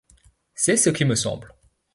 C’est ce qui me semble.